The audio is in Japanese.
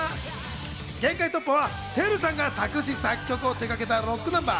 『限界突破』はＴＥＲＵさんが作詞・作曲を手がけたロックナンバー。